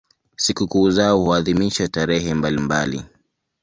Sikukuu zao huadhimishwa tarehe mbalimbali.